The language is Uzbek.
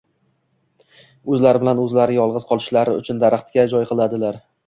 o‘zlari bilan o‘zlari yolg‘iz qolishlari uchun daraxtga joy qiladilar.